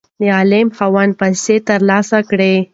د غلام خاوند پیسې ترلاسه کړې.